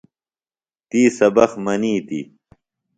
تی سبق منِیتیۡ۔